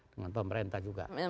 dengan pemerintah juga